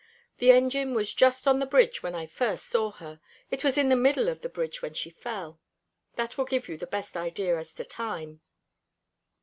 The engine was just on the bridge when I first saw her. It was in the middle of the bridge when she fell. That will give you the best idea as to time."